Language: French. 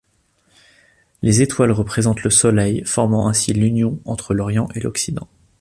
Les étoiles représentent le soleil, formant ainsi l'union entre l'orient et l'occident.